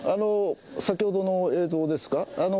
先ほどの映像ですか？